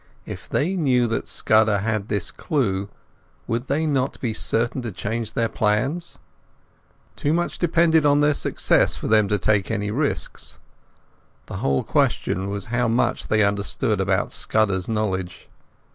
If they knew that Scudder had this clue, would they not be certain to change their plans? Too much depended on their success for them to take any risks. The whole question was how much they understood about Scudder's knowledge.